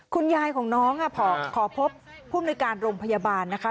คุณยายของน้องขอพบผู้มนุยการโรงพยาบาลนะคะ